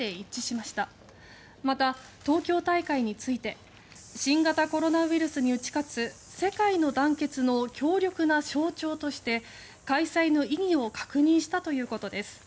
また、東京大会について新型コロナウイルスに打ち勝つ世界の団結の強力な象徴として開催の意義を確認したということです。